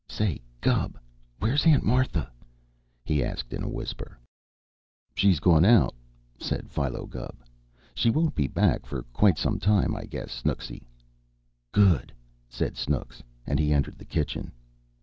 "Say, Gubb, where's Aunt Martha?" he asked in a whisper. "She's gone out," said Philo Gubb. "She won't be back for quite some time, I guess, Snooksy." "Good!" said Snooks, and he entered the kitchen.